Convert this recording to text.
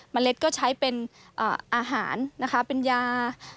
เล็ดก็ใช้เป็นอาหารนะคะเป็นยา